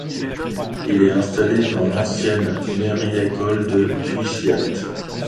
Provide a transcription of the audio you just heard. Il est installé dans l’ancienne mairie-école de Cuisiat.